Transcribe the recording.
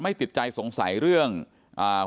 แล้วก็ช่วยกันนำนายธีรวรรษส่งโรงพยาบาล